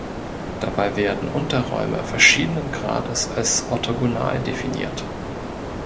Dabei werden Unterräume verschiedenen Grades als orthogonal definiert.